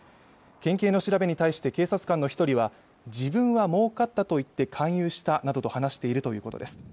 県警の調べに対して警察官の一人は自分はもうかったと言って勧誘したなどと話しているということです